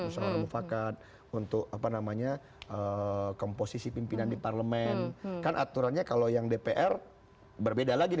musawarah mufakat untuk apa namanya komposisi pimpinan di parlemen kan aturannya kalau yang dpr berbeda lagi